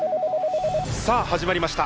さあ始まりました